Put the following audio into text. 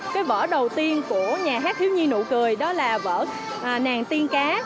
cái vở đầu tiên của nhà hát thiếu nhi nụ cười đó là vở nàng tiên cá